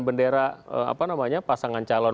bendera pasangan calon